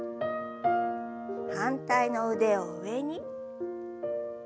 反対の腕を上に。